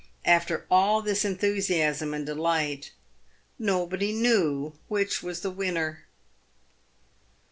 After all this enthusiasm and delight nobody knew which was the winner.